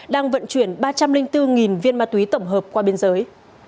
đang vận chuyển ba trăm linh bốn viên ma túy tổng hợp qua biên giới